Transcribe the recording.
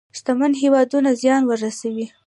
شتمن هېوادونه زيان ورسوي.